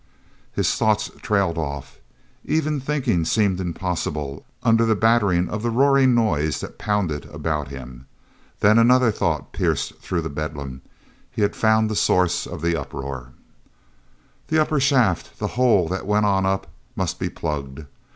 His thoughts trailed off. Even thinking seemed impossible under the battering of the roaring noise that pounded about him. Then another thought pierced through the bedlam. He had found the source of the uproar. hat upper shaft, the hole that went on up, must be plugged.